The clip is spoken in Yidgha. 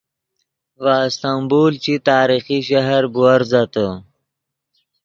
ڤے استنبول چی تاریخی شہر بوورزتے